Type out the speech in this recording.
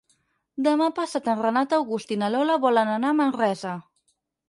Demà passat en Renat August i na Lola volen anar a Manresa.